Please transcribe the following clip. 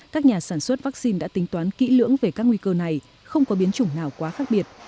các nhà sản xuất vaccine đã tính toán kỹ lưỡng về các nguy cơ này không có biến chủng nào quá khác biệt